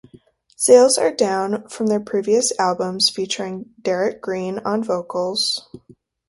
Sales were down from their previous albums featuring Derrick Green on vocals.